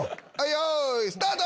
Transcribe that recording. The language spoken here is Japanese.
よいスタート！